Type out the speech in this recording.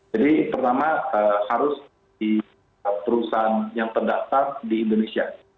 jadi pertama harus di perusahaan yang terdaftar di indonesia